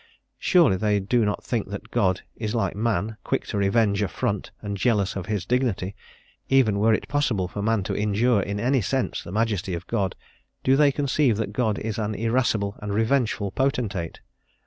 Surely they do not think that God is like man, quick to revenge affront and jealous of His dignity; even were it possible for man to injure, in any sense, the Majesty of God, do they conceive that God is an irascible and revengeful Potentate?